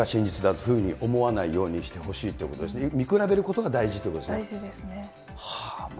そこだけが真実だというふうに思わないようにしてほしいということ、見比べること大事ですね。